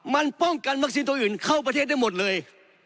มันป้องกันวัคซีนตัวอื่นเข้าประเทศได้หมดเลย